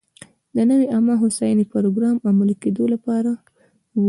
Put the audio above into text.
د نوې عامه هوساینې پروګرام عملي کېدو لپاره و.